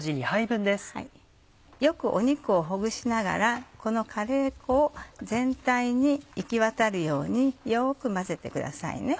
よく肉をほぐしながらこのカレー粉を全体に行き渡るようによく混ぜてくださいね。